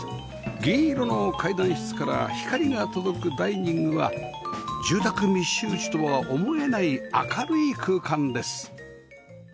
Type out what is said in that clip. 銀色の階段室から光が届くダイニングは住宅密集地とは思えない明るい空間です